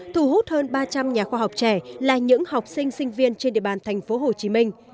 thu hút hơn ba trăm linh nhà khoa học trẻ là những học sinh sinh viên trên địa bàn thành phố hồ chí minh